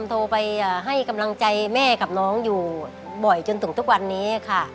โทรไปให้กำลังใจแม่กับน้องอยู่บ่อยจนถึงทุกวันนี้ค่ะ